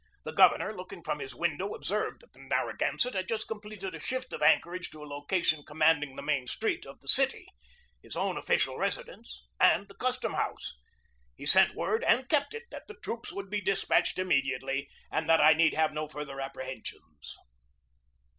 The governor, looking from his window, observed that the Narragansett had just completed a shift of anchorage to a loca tion commanding the main street of the city, his own official residence, and the custom house. He sent word, and kept it, that the troops would be despatched immediately and that I need have no further apprehensions.